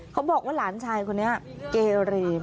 เขาบอกว่าหลานชายคนนี้เกเรม